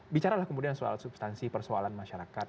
bicaralah kemudian soal substansi persoalan masyarakat